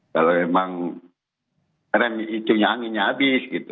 kalau memang rem itu anginnya habis gitu